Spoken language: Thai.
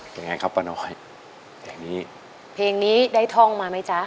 ยังไงครับป้าน้อยเพลงนี้ได้ท่องมาไหมจ๊ะ